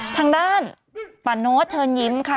ทางด้านป่าโน้ตเชิญยิ้มค่ะ